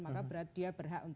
maka dia berhak untuk memperbaiki